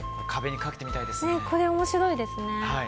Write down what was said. これ、面白いですね。